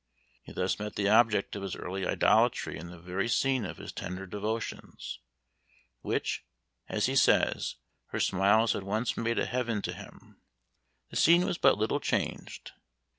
He thus met the object of his early idolatry in the very scene of his tender devotions, which, as he says, her smiles had once made a heaven to him. The scene was but little changed.